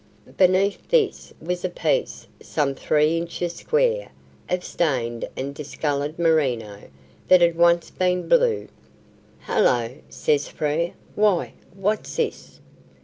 Beneath this was a piece, some three inches square, of stained and discoloured merino, that had once been blue. "Hullo!" says Frere. "Why, what's this?"